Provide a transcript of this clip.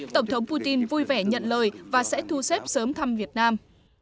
tổng thống putin vui vẻ nhận lời và sẽ thu xếp sớm thăm việt nam